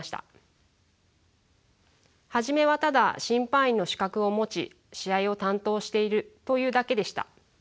初めはただ審判員の資格を持ち試合を担当しているというだけでした。